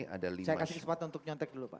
ada lima saya kasih kesempatan untuk jawab